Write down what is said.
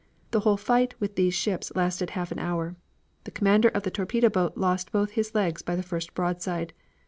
The whole fight with those ships lasted half an hour. The commander of the torpedo boat lost both legs by the first broadside.